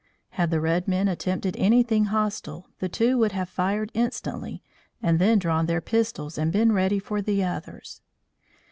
Had the red men attempted anything hostile, the two would have fired instantly and then drawn their pistols and been ready for the others.